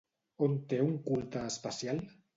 On té un culte especial?